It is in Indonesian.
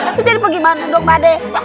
itu jadi bagaimana dong padeh